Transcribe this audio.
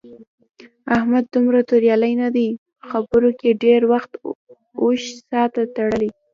احمد دومره توریالی نه دی. په خبرو کې ډېری وخت اوښ شاته تړي.